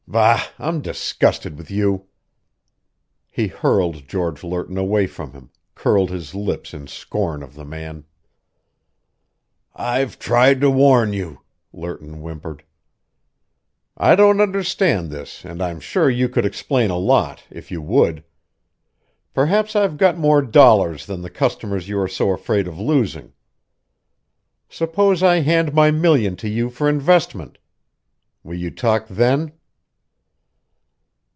Bah! I'm disgusted with you!" He hurled George Lerton away from him, curled his lips in scorn of the man. "I've tried to warn you," Lerton whimpered. "I don't understand this and I'm sure you could explain a lot, if you would. Perhaps I've got more dollars than the customers you are so afraid of losing. Suppose I hand my million to you for investment. Will you talk, then?"